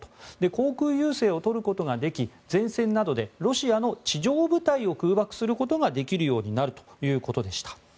航空優勢を取ることができ前線などでロシアの地上部隊を空爆することができるようになるということでした。